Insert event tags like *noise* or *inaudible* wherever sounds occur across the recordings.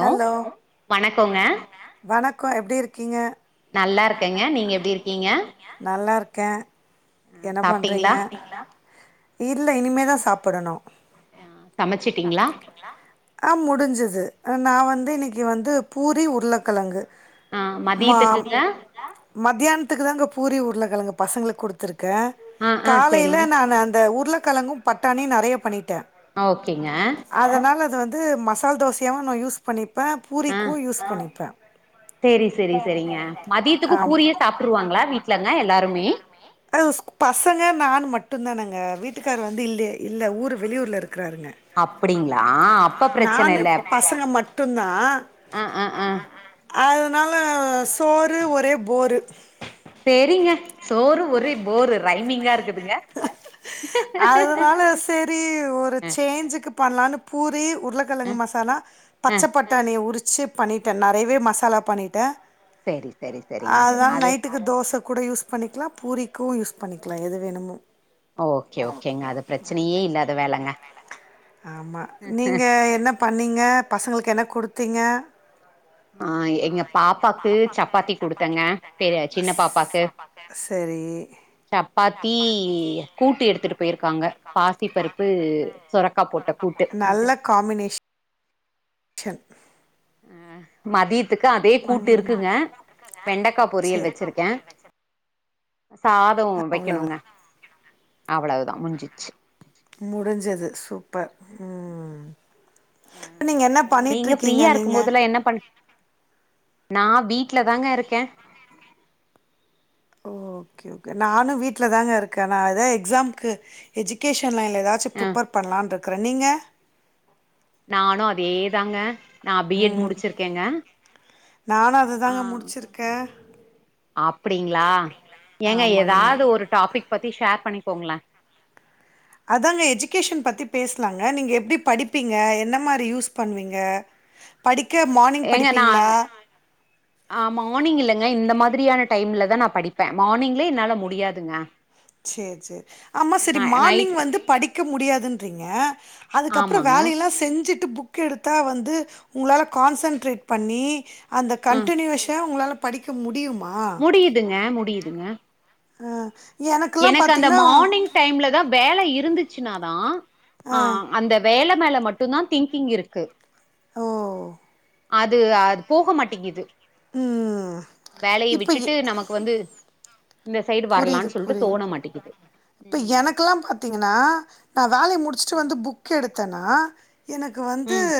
Hello வணக்கோங்க வணக்கோ எப்டி இருக்கீங்க நல்லா இருக்கேங்க நீங்க எப்டி இருக்கீங்க நல்லாருக்கே அ என்ன பண்றீங்க சாப்ட்டீங்களா இல்ல இனிமே தா சாப்பிடணு ஆ சமச்சிட்டீங்களா ஆஹ் முடிஞ்சுது அ நா வந்து இன்னைக்கி வந்து பூரி உருளக்கழங்கு ஆஹ் மதியத்துக்குங்க மத்தியான்த்துக்கு தாங்க பூரி உருள கழங்கு பசங்களுக்கு குடுத் க ஆ ஆ காலைல செரிங்க நானு அந்த உருள கலங்கும் பட்டாணி நறையா பண்ணிட் டாட ஓகேங்க அதனால அது வந் வந்து மசால் தோசையாவு நா யூஸ் பண்ணிப்ப ஆ பூரிக்கு யூஸ் பண்ணிப்ப செரி செரி செரிங்க மதியத்துக்கு பூரியே சாப்ட்ருவாங்களா வீட்டுலங்க எல்லாருமே குஸ் பசங்க நான் மட்டுந்தானங்க வீட்டுக்காரு வந்து இல்லே இல்ல ஊர் வெளியூர்ல இருக் க்கறாருங்க அப்டிங்களா அப்ப பிரச்சன நானு இல்ல பசங்க மட்டுந்தான் ஆ ஆ ஆ அத னால சோறு ஒரே போரு செரிங்க சோறு ஒரே போரு ரைமிங்கா இருக்கு அதனால செரி ஒரு அ ச்சேஞ்சுக்கு பண்லானு பூரி அ உர்ளக்கழங்கு மசாலா அ பச்சப் பட்டாணிய உரிச் சு பண்ணிட்ட நறையவே மசாலா பண்ணிட்டே செரி செரி செரிங்க அது தோசை கூட யூஸ் பண்ணிக்லா பூரிக்கு யூஸ் பண்ணிக்லா எது வேணுமோ ஓகே ஓகேங்க அது பிரச்சனையே இல்லாத வேலங்க ஆமா நீங்க என்ன பண்ணீங்க பசங்களுக்கு என்ன குடுத் திங்க ஆ எங்க பாப்பாக்கு சப்பாத்தி குடுத்தங்க பெரிய சின்ன பாப்பாக்கு செரி சப்பாத்தி கூட்டு எடுத்துட்டு போயிருக்காங்க பாசி பருப்பு சொரக்கா போட்ட கூட்டு நல்ல காம்பினே ஷன் அ மதி யத்கு அதே கூட்டு இருக்குங்க வெண்டக்கா சரி பொரியல் வச்சிருக்கே சாதோ அவ்வளவு வைக்கணுங்க அவ்வளவுதா முஞ்சிச்சு முடிஞ்சுது சூப்பர் ம் அ இப்ப நீங்க என்ன உ நீங்க பண்ணிட்ருக்கீங்க ஃப்ரீயா நீங்க இருக்கும்போதுல்லா என்ன பண் நா வீட் வீட்ல தாங்க இருக்கே ஓகே ஓகே நானு வீட்ல தாங்க இருக்கே நா எதா எக்ஸாம்க்கு எஜுகேஷ ன் லைன்லா எதாச்சு ஆ ப்ரிப்பர் பண்ணலான்ரு க்குற நீங்க நானு அதே தாங்க நா பி எ ட் முடிச்சிருக்கேங்க நானு அ அதுதாங்க முடிச்சிருக்கே அப்படிங்களா எங்க ஆமாங்க எதாவ்து ஒரு டாபிக் பத்தி ஷேர் பண்ணி போங்கலா அதாங்க எஜுகேஷன் பத்தி பேஸ்லாங்க நீங்க எப்டி படிப்பீங்க என்ன மாரி யூஸ் பண்விங்க படிக் ஏங்க நா ஆ மார்னிங் இல்லங்க இந்த மாதிரியான டைம்ல தா நா படிப்பே மார்னிங்ல என்னால முடியாதுங்க செரி செரி ஆமா செரி ந நைட் மார்னிங் வந்து படிக்க முடியாதுன்றீங்க அதுக்கப்றோ ஆமாங்க வேலையெல்லா செஞ்சுட் புக் எடுத்தா வந்து உங்களால கான்சன்ட்ரேட் பண்ணி அந்த ஆ கன்டினியூஷா உங்களால படிக்க முடியும் முடியுதுங்க முடியுதுங்க அ எனக்கு அந்த மானிங் டைம்ல தா வேல இரு ந்துச்சுனாதா ஆ அ அந்த வேல மேல மட்டு தா திங்கிங் இருக்கு ஓ அது அது போக மாட்டேங்கிது ம். வேலைய இப்ப எ விட்டுட்டு நமக்கு வந்து இந்த சைடு புரியுது வரலான் சொல்ட்டு இப்ப எனக்குல்லா பாத்தீங்கன்னா நா வேலைய முடிச்சுட்டு ம் வந்து புக் எடுத்தன் னா எனக்கு வந்து ம்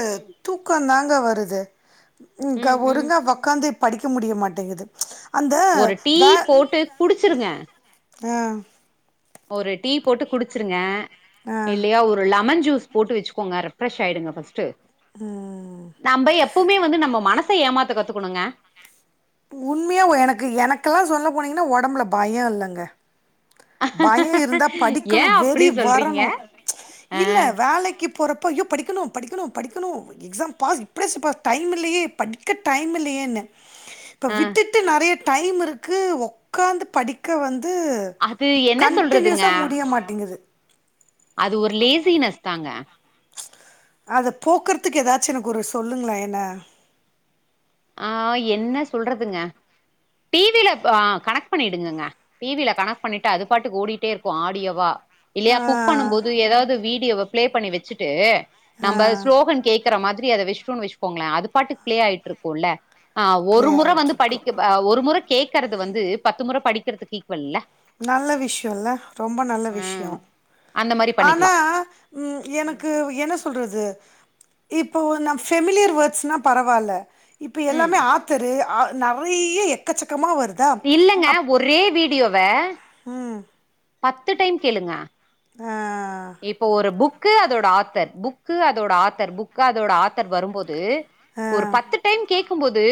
தூக் க்கந்தாங்க வருது இங்க ம் ம் ஒருங்கா வொக்காந்து படிக்க முடிய மாட்டேங்குது அந்த ஒரு டீ போட்டு குடுத் வச்சுருங்க ஆஹ் ஒரு டீ போட்டு குடிச்சிருங்க ஆ இல்லையா ஒரு லெமன் ஜூஸ் போட்டு வச்சு போங்க ரெப்ரஷ் ஆயிடுங்க பஸ்ட் டு ம். நம்ம எப்பவுமே வந்து நம்ம மனசு ச ஏமாத்த கத்துக்கணுங்க உண்மையா எனக்கு எனக்கெல்லா சொல்ல போனீங்கன்னா ஒடம்புல பயோ இல்லங்க பயம் இருந்தா படிக்கணு ஏன் அப்படி வெறி சொல்றீங்க வரணும் அ இல்ல வேலைக்கு போறப்ப ஐயோ படிக்கணும் படிக்கணு படிக்கணு எக்ஸாம் பாஸ் இப்டியச்சு பாஸ் டைம் இல்லயே படிக்க டைம் இல்லையேன்னு இப்ப அ விட்டுட்டு நெறைய டைம் இருக்கு ஒக்காந்து படிக்க வந்து அது என்ன சொல்றதுங்க கண்டினியூஸாக முடிய மாட்டேங்குது அது ஒரு லேசினஸ் தாங்க அத போக்குறதுக்கு ஏதாச்சு எனக்கு ஒரு சொல்லுங்களே என்ன ஆஹ் என்ன சொல்றதுங்க டி வி-ல ஆஹ் கனெக்ட் பண்ணிடுங்கங்க டி வி-ல கனெக்ட் பண்ணிட்டு அது பாட்டுக் ஓடிட்டே இருக்கு ஆடியோவா இல்லையா ஆ குக் பண்ணும் போது ஏதாவது வீடியோவ பிளே பண்ணி வச்சுட்டு ஆ நம்ப ஸ்லோகன் கேக்கற மாதி ரி அத வச்சு வச்சுோங்களே அது பாட்டுக்கு ப்ளே ஆயிட்டு இருக் குள்ள அஹ் இப்படி ஒரு முற ஆயிட்டு வந்து இருக்கும் படிக் ஒரு முற கேக்கறது வந்து பத்து முற படிக்கிறதுக்கு இக் நல்ல விஷயோல்ல ரொம்ப நல்ல ம் விஷயம் அந்த மாரி பண்ணிக்கலா ஆனா உம் ம் எனக்கு என்ன சொல்றது இப்போ நா ஃபமிலியர் வேர்ட்ஸ்னா பரவால்ல இப்ப ம் எல்லாமே ஆத்தரு ஆ நெறைய எக்கச்சக் இல்லங்க ஒரே வீடியோவ உம் பத்து டைம் கேளுங்க ஆஹ் இப்ப ஒரு புக் க்கு அதோட ஆத்தர் புக்கு அதோட ஆத்தர் புக்கு அதோட ஆத்தர் வரும்போது ஆ ஒரு பத்து டைம் கேக் கும்போது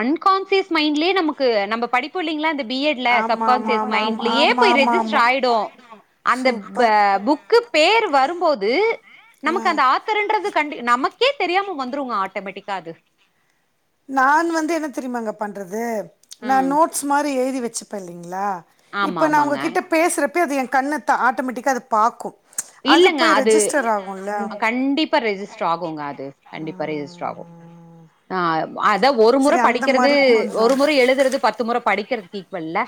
அன்கான்சியஸ் மைண்ட்லே நமக்கு நம்ப படிப்போ இல்லைங்ளா இந்த பி எட் ல ஆமா ஆமா சப்கான்சியஸ் ஆமா ஆமா மைண்ட்லயே ஆமா போய் ஆமா ரெஜிஸ்ட்ர் ஆமா ஆய்டு அந்த ப சூப்பர் புக் பேரு வரும்போது ஆ நமக்கு அந்த ஆத்தருன்றது கண்டி நமக் க்கே தெரியாம வந்துருங்க ஆட்டமேட்டிக்கா அது நான் வந்து என்ன தெரியுமாங்க பண்றது ம் நான் நோட்ஸ் மாரி எழுதி வச் ச்சு பள்ளிங்ளா ஆமா இப்ப நா ஆமாங்க உங்ககிட்ட பேசுறப் ப்ப அது எ கண்ணத்த ஆட்டமேட்டிக்கா அது பாக்கு இல்லங்க போய் அது ரெஜிஸ்டர் ஆகுல்ல கண்டிப்பா ரெஜிஸ்டர் ஆகுங்க அது கண்டிப்பா ரெஜிஸ்டர் ஆகு ம் ஆஹ் அத ஒரு முற சரி அந்த படிக்கிறது மாரி கொஞ்சோ ஒரு முறை எழுதுறது பத்து முற படி டிக்கிறதுக்கு ஈக்குவல்ல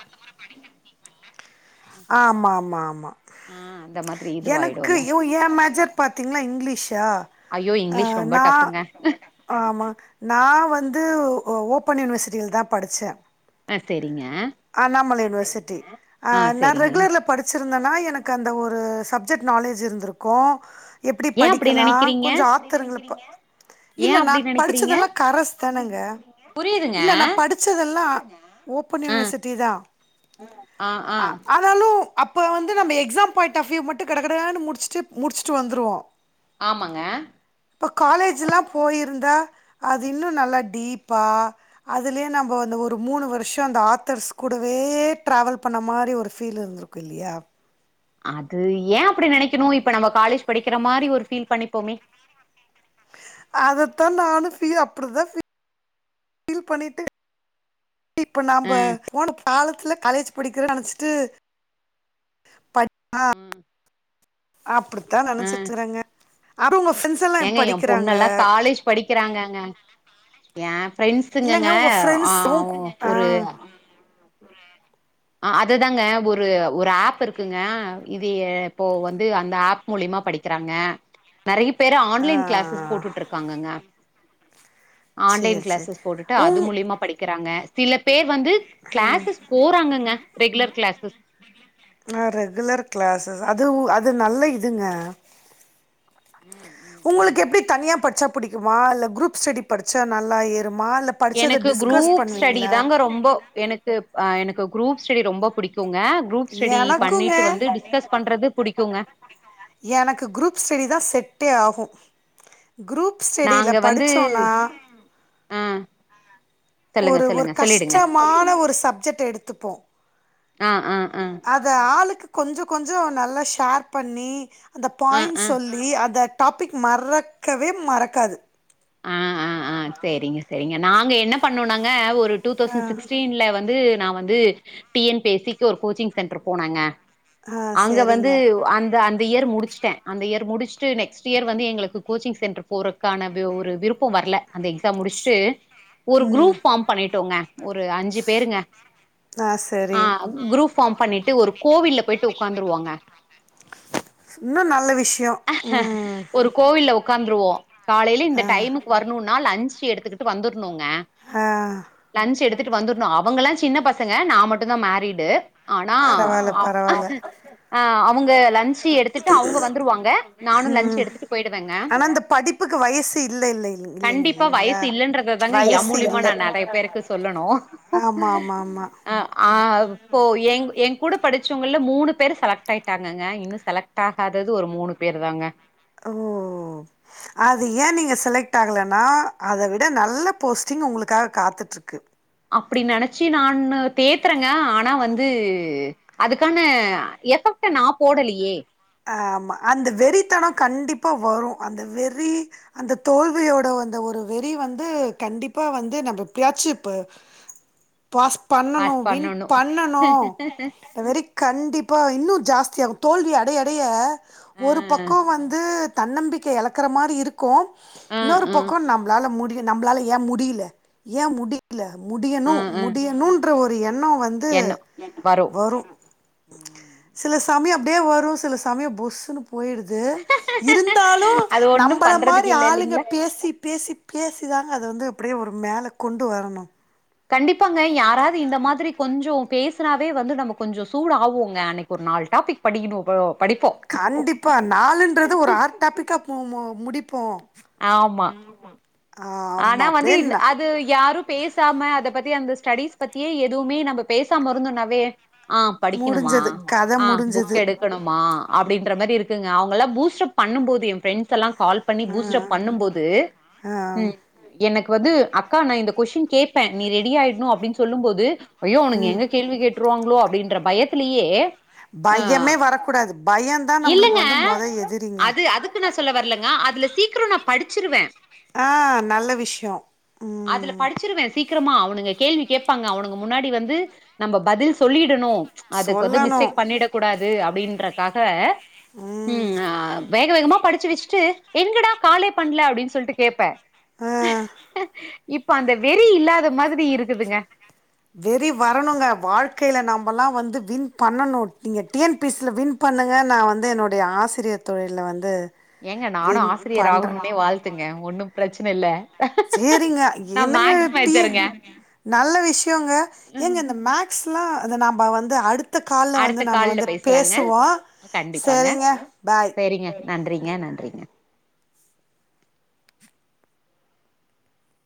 ஆமா ஆமா ஆமா ஆ அந்த மாதிரி எனக்கு இதுவாயிடும்ல யு ஏ மேஜர் பாத்திங்னா இங்லீஷா ஐயோ இங்கிலீஷ் ஆஹ் ரொம்ப நா டஃப்ங்க ஆமா நா வந் து ஓ ஓப்பன் யூனிவர்சிட்டியில் தா படிச்சே அஹ் செரி டீங்க அண்ணாமலை யூனிவர்சிட்டி ஆஹ் நா ரெகுலர்ல படிச்சு இருந்தனா எனக்கு அந்த ஒரு சப்ஜெக்ட் நாலேஜ் இருந்திருக்கு எப்டி ஏ அப்டி படிக்கலா நெனைக்கிறீங்க கொஞ்ச ஆத்தருங்கள இப்ப ஏ இல்ல நா அப்டி நெனைக்கிறீங்க படிச்சதெல்லா கரஸ் தானங்க புரியுதுங்க இல்ல நா படிச்சதெல்லா ஓப்பன் ஆ யுனிவர்சிட் டிதா ஆ ஆ அ ஆனாலும் அப்போ வந்து நம்ம எக்ஸாம் பாயிண்ட் ஆஃப் வியூ மட்டும் கடகடனு முடிச்சுட்டு முடிச்சுட்டு வந்துருவோ ஆமாங்க இப்போ காலேஜ்லா போயிருந்தா அது இன்னு நல்லா டீப்பா அதுலே நம்ம வந்து ஒரு மூணு வருஷம் அந்த ஆர்த்தர்ஸ் கூடவே ட்ராவல் பண்ண மாரி ஒரு ஃபீல் இருந்திருக்கு இல்லியா அது ஏ அப்டி நெனைக்கணு இப்ப நம்ம காலேஜ் படிக்கிற மாரி ஒரு ஃபீல் பண்ணிப்போமே அதத்தா நானு ஃபீல் அப்டிதா ஃபீல் ஃபீல் பண்ணிட்டு இப்ப ஆ நாம போன காலத்துல காலேஜ் படிக்கிற நெனச்சிட்டு ப ஆ ம் அப்படித்தா ஆ நெனைச்சற்றேங்க அப்ப உங்க ஃப்ரன்ஸல்லாம் ஏங்க எ படிக்கிறாங்க பொண்ணெல்லா ஏ ஃப்ரெண்ட்ஸுங்கங்க இல்லங்க உங்க ஆ ஃப்ரெண்ட்ஸ் ஒரு ஒரு அதுதாங்க ஒரு ஒரு ஆப் இருக்குங்க இது இப்போ வந்து அந்த ஆப் மூலியமா படிக்கிறாங்க நெறைய பேர் ஆன்லைன் க்ளாசஸ் ஆ போட்டுட்டுருக்காங்கங்க சேரி ஆன்லைன் சேரி க்ளாசஸ் போட்டுட்டு அது உங் மூலியமா படிக்கிறாங்க சில பேர் வந்து கிளாஸஸ் போறாங்கங்க ரெகுலர் கிளாஸஸ் நா ரெகுலர் கிளாஸஸ் ஆ துவும் அது நல்ல இதுங்க ம் ம் ம். உங்களுக்கு எப்பிடி தனியா படிச்சா புடிக்குமா இல்ல குரூப் ஸ்டடி படிச்சா நல்லா இரு எனக்கு குரூப் ஸ்டடி தாங்க ரொம்ப எனக்கு அ எனக்கு குரூப்ஸ்டடி ரொம்ப புடிக்கும் எனக்குங்க டிஸ்கஸ் பண்றது புடிக்குங்க எனக்கு குரூப் ஸ்டடி தான் செட் செட்டே ஆகும் குரூப் ஸ்டடியில நாங்க வந்து படிச்சோன்னா ஆ சொல்லுங்க ஒரு ஒரு சொல்லுங்க சொல்லிடுங்க கஷ்டமான ஒரு சப்ஜெக்ட் எடுத்துப்போம் ஆ ஆ ஆ அத ஆளுக்கு கொஞ்சம் கொஞ்சம் நல்லா ஷேர் பண்ணி அந்த ஆ ஆ பாயிண்ட்ஸ் சொல்லி அத டாப்பிக் மறக்கவே மறக்காது ஆ ஆ ஆ செரிங்க செரிங்க எ நாங்கே என்னா பண்ணோனாங்கே ஒரு ரு டூ ஆ தௌசந்து சிக்ஸ்டீன்லே வந்து நா வந் து டி என் பி எஸ் சிக்கு ஒரு கோச்சிங் சென்டர் போனாங்க ஆ அங்க வந்து சரிங்க அந்த அந் அந்த இயர் முடிச்சுட்டேன் அந்த இயர் முடிச்சுட்டு நெக்ஸ்ட் இயர் வந்து எங்களுக்கு கோச்சிங் சென்டர் போறக்கான ஒரு விருப்பம் வரல அந்த எக்ஸாம் முடிச்சுட்டு ஒரு ம் குரூப் ஃபார்ம் பண்ணிட்டோங்க ஒரு அஞ்சு பேருங்க ஆ ஆ சரி குரூப் ஃபார்ம் பண்ணிட் டு ஒரு கோவில்ல போயிட்டு உட்காந்துருவோங்க இன்னு நல்ல விஷயோ ம் ஒரு கோவில்ல உக்காந்துருவோம் கா ல இந்த ஆ டைமுக்கு வரணுனா லன்ச் எடுத்துக்கிட்டு வந்துரு னுங்க ஆ லன்ச் எடுத்துட்டு வந்துற்னும் அவங்களா சின்ன பசங்க நான் மட்டும் தான் மேரிடு ஆனா பரவால்ல பரவால்ல ஆஹ் அவுங்க லன்ச்சு எடுத்துட்டு அவுங்க வந்துருவாங்க நானும் லன்ச் ம் எடுத்துட்டு போயிடுவேங்க ஆனா இந்த படிப்புக்கு வயசு இல்ல இல்ல இல்லைங்க கண்டிப்பா இல்லைங்களா வயசு இல்லன்றத தாங்க எ வயசு மூலியமா இல்ல நான் நெறைய பேருக்கு சொல்லணும் ஆமா ஆமா ஆமா அஹ் ஆஹ் இப்போ என் என் கூட படு ச்சவங்கல மூணு பேரு செலக்ட் ஆயிட்டாங்கங்க இன்னும் செலக்ட் ஆகாதது ஒரு மூணு பேர் தாங்க ஓ அது ஏ நீங்க செலக்ட் ஆகலன்னா அத விட நல்ல போஸ்ட்டிங் உங்களுக்காக காத்துட்டுருக்கு அப்டி நெனைச்சு நானு தேத்துறேங்க ஆனா வந்து அதுக்கான எஃபெக்ட நான் போடலையே ஆஹ் ஆமா அந்த வெறித்தனம் கண்டிப்பா வரும் அந்த வெறி அந்த தோல்வியோட அந்த ஒரு வெறி வந்து கண்டிப்பா வந்து நம்ம ஏப்டியாச்சு இப்ப பாஸ் பாஸ் பண்ணணும் வின் பண்ணணு பண்ணணும் வெரி கண்டிப்பா இன்னும் ஜாஸ் தியாகு தோல்வி அடைய அடைய ஆ ஒரு பக்கோ வந்து தன்னம்பிக்கை எழக்குற மாரி இருக் கு ஆ இன்னோரு ஆ பக்கோ நம்மளால முடி நம்மளால ஏன் முடில ஏன் முடிக்ல ஆ முடியணும் ஆ முடியணும் ன்ற ஒரு இன்னோ வந்து எண்ணோ வரு வரும் ம் சில சமயோ அப்டியே வரும் சில சமயோ புஸ்னு போயிடுது இருந்தாலும் அது ஒண்ணு நம்பள மாரி பண்றதுக்கு இல்ல ஆளுங்க இல்லைங்களா பேசி பேசி பேசி தாங்க அத வந்து அப்டியே ஒரு மேல கொண்டு வரணும் கண்டிப்பாங்க யாராவது இந்த மாதிரி கொஞ்சோ பேசுனாவே வந்து நம்ம கொஞ்சோ சூடாவோங்க அன்னைக்கு ஒரு நாலுடாபிக் படிக்கணும் இவளோ கண்டிப்பா நாளுன்றது ஒரு ஆறு டாபிக்கா போவுமோ முடிப்போம் ஆமா ஆமா ஆனா வந்து அப்டியே யித் ந அது யாரும் பேச பேசாம அத பத்தி அந்த ஸ்டடிஸ் பத்தியே எதுவுமே நம்ம பேசாமருந்தோனாவே ஆஹ் படிக்கணுமா முடிஞ்சது கத ஆஹ் முடிஞ்சது புக் எடுக்கணுமா அப்டின்ற மாரிருக்கு அவங்கலாம் பூஸ்ட்டப் பண்ணும்போது என் பிரெண்ட்ஸ்செல்லாம் கால் பண்ணி பூஸ்ட்டப் பண்ணும்போது ஆ உம் எனக்கு து அக்கா நான் இந்த கொஸ்டின் கேப்பேன் நீ ரெடியாயிடனும் அப்டின்னு சொல்லும் போது ஐயோ அவனுங்க என்ன கேள்வி கேட்ருவாங்களோ அப்டின்ற பயத்திலேயே அ பயமே வரக்கூடாது பயந்தா நம்பளுக்கு இல்லங்க வந்து மொத எதிரிங்க அது அதுக்கு நான் சொல்ல வரலேங்க அதுல சீக்கிரம் நாம் படிச்சிருவேன் ஆஹ் நல்ல விஷயம் அதுல உம் படிச்சுருவேன் சீக்கிரமா. அவனுங்க கேள்வி கேப்பாங்க அவனுங்க முன்னாடி வந்து நம்ம பதில் சொல்லிடனும் அதுக்கு வந்து சொல்லணும் மிஸ்டேக் பண்ணிடக் கூடாது அப்டின்ற இப்ப ம் ஹ வேக வேகமா படிச்சு வச்சிட்டு எங்கடா காலே பண்லே அப்டின்னு சொல்லிட்டு கேப்பேன் ஆ *unintelligible* இப்ப அந்த வெறி இல்லாத மாதிரி இருக்குதுங்க வெறி வரணுங்க வாழ்க்கையில நம்பலாம் வந்து வின் பண்ணணும் நீங்க டி என் பி சி ல வின் பண்ணுங்க நா வந்து என்னுடைய ஆசிரியர் தொழில்ல வந்து ஏங்க நானும் வின் ஆசிரியர் பண்றேன். ஆகணும்னனே வாழ்த்துங்க ஒன்னும் பிரச்சனை இல்ல சரிங்க நா என்னங்க மேக்ஸ் டி மேஜருங்க நல்ல விஷயங்க எங்க இந்த மேக்ஸ் ல அது நம்ம வந்து அடுத்து டுத்த கால்ல அடுத்த வந்து நம்ம கால்ல வந்து பேசலாங்க பேசுவோ கண்டிப்பாங்க சேரிங்க பாய் சரிங்க நன்றிங்க நன்றிங்க